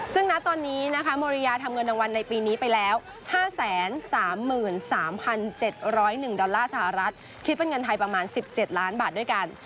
ซึ่งณตอนนี้นะคะมาริยาทำเงินรางวัลในปีนี้ไปแล้ว๕๓๓๗๐๑ดอลลาร์สหรัฐคิดเป็นเงินไทยประมาณ๑๗ล้านบาทด้วยกัน